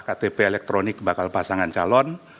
ktp elektronik bakal pasangan calon